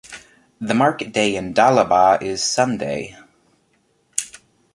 The market day in Dalaba is Sunday.